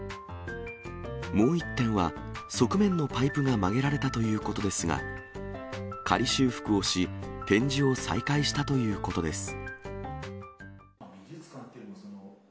もう１点は、側面のパイプが曲げられたということですが、仮修復をし、展示を再開したということです。